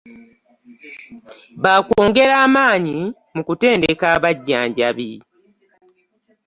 Bakwongera amaanyi mu kutendeka abajjanjabi.